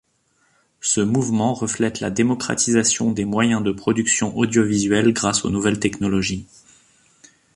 Ce mouvement reflète la démocratisation des moyens de production audiovisuelle grâce aux nouvelles technologies.